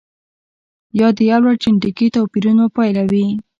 یا د یو لړ جنتیکي توپیرونو پایله وي.